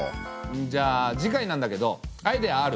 んじゃ次回なんだけどアイデアある？